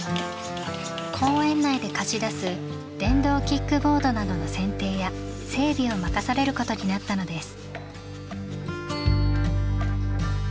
公園内で貸し出す電動キックボードなどの選定や整備を任されることになったのです。